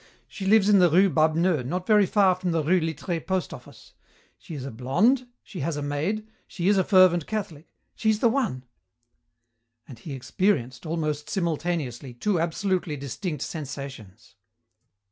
She lives in the rue Babneux not vary far from the rue Littré post office. She is a blonde, she has a maid, she is a fervent Catholic. She's the one." And he experienced, almost simultaneously, two absolutely distinct sensations.